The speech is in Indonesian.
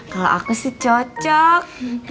kalau aku sih cocok